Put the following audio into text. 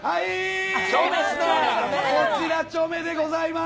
こちらチョメでございます。